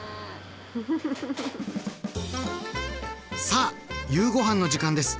さあ夕ごはんの時間です！